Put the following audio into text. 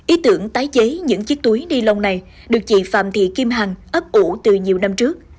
ý tưởng tái chế những chiếc túi ni lông này được chị phạm thị kim hằng ấp ủ từ nhiều năm trước